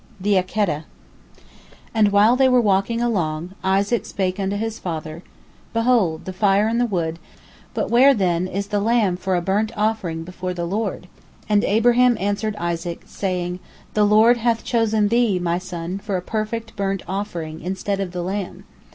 THE 'AKEDAH And while they were walking along, Isaac spake unto his father, "Behold, the fire and the wood, but where then is the lamb for a burnt offering before the Lord?" And Abraham answered Isaac, saying, "The Lord hath chosen thee, my son, for a perfect burnt offering, instead of the lamb."